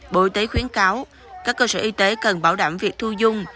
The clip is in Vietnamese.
bộ y tế khuyến cáo các cơ sở y tế cần bảo đảm việc thu dung